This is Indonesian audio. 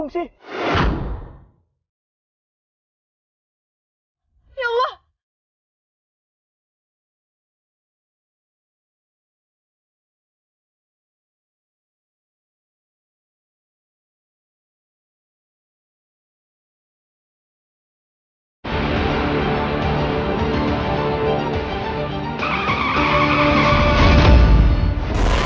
ngebut kesana ya